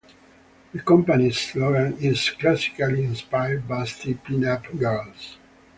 The companies slogan is ""Classically inspired busty pinup girls.